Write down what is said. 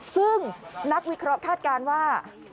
ซึ่งนักวิเคราะห์คาดการณ์ว่า